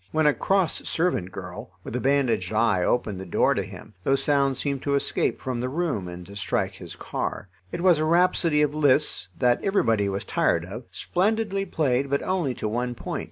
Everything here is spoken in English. When a cross servant girl, with a bandaged eye, opened the door to him, those sounds seemed to escape from the room and to strike his car. It was a rhapsody of Liszt's, that everybody was tired of, splendidly played but only to one point.